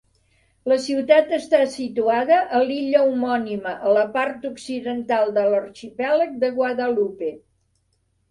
La ciutat està situada a l'illa homònima, a la part occidental de l'arxipèlag de Guadalupe.